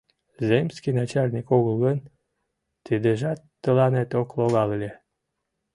— Земский начальник огыл гын, тидыжат тыланет ок логал ыле.